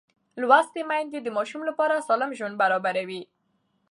لوستې میندې د ماشوم لپاره سالم ژوند برابروي.